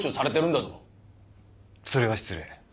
それは失礼。